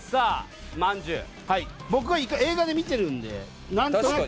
僕は１回映画で見てるんでなんとなく。